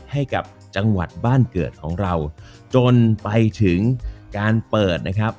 ให้กับจังหวัดบ้านเกิดของเราจนไปถึงการเปิดนะครับ